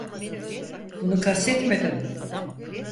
Bunu kastetmedim.